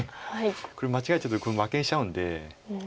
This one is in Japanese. これ間違えちゃうと負けにしちゃうんで。